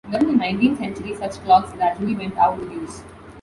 During the nineteenth century such clocks gradually went out of use.